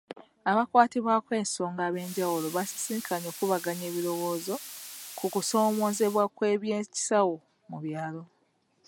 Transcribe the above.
Abakwatibwako ensonga ab'enjawulo baasisinkanye okubaganya ebirowoozo ku kusomoozebwa ku by'ekisawo mu byalo.